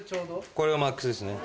・これがマックスですね。